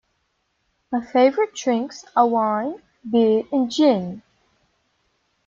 My favourite drinks are wine, beer and gin.